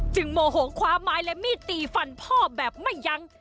โมโหคว้าไม้และมีดตีฟันพ่อแบบไม่ยั้ง